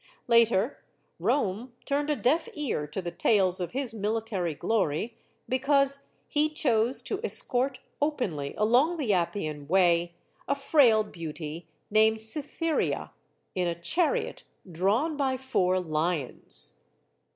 Later, Rome turned a deaf ear to the tales of his military glory because he chose to escort openly along the Appian Way a frail beauty named Cytheria, in a chariot drawn by four lions.